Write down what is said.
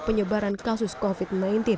penyebaran kasus covid sembilan belas